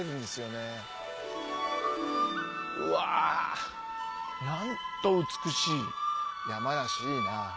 うわなんと美しい山梨いいな。